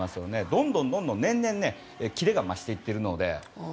どんどん年々キレが増しているので。